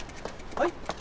はい？